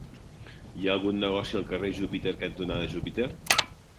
Hi ha algun negoci al carrer Júpiter cantonada Júpiter?